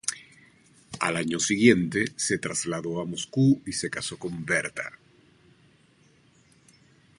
Al año siguiente se trasladó a Moscú y se casó con Bertha.